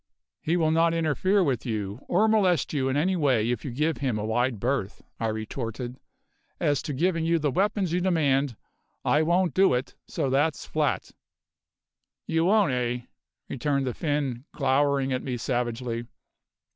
"He will not interfere with you, or molest you in any way if you give him a wide berth," I retorted. "As to giving you the weapons you demand, I won't do it, so that's flat." "You won't, eh?" returned the Finn, glowering at me savagely.